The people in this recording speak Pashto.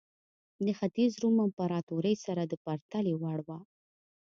د ختیځ روم امپراتورۍ سره د پرتلې وړ وه.